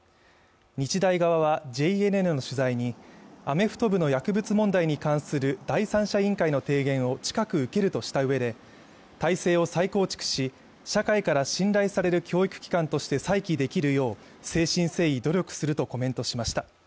日大側はＪＮＮの取材に、アメフト部の薬物問題に関する第三者委員会の提言を近く受けるとしたうえで体制を再構築し、社会から信頼される教育機関として再起できるよう誠心誠意努力するとコメントしました。